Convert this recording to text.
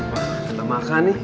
wah kita makan nih